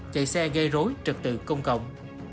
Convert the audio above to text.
chạy xe gây rối trực tự công cộng